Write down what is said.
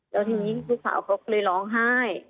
แล้วทีนี้ลูกสาวเขาก็เลยร้องไห้